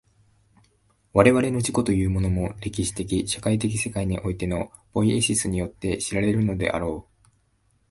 我々の自己というものも、歴史的社会的世界においてのポイエシスによって知られるのであろう。